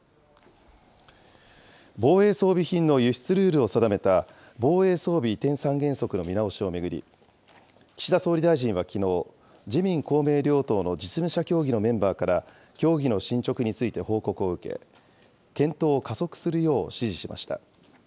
防衛装備品の輸出ルールを定めた防衛装備移転三原則の見直しを巡り、岸田総理大臣はきのう、自民、公明の実務者協議のメンバーから協議の進捗について報告を受け、検討を加速するよう指示しました。